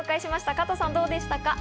加藤さん、どうでしたか？